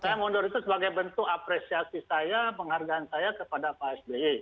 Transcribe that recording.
saya mundur itu sebagai bentuk apresiasi saya penghargaan saya kepada pak sby